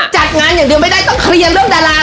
จัดงานอย่างเดียวไม่ได้ต้องเคลียร์เรื่องดารา